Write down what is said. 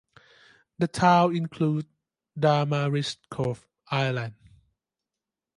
The town includes Damariscove Island.